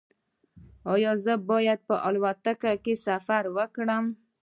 ایا زه باید په الوتکه کې سفر وکړم؟